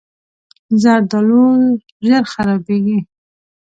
زردالو ژر خرابېږي.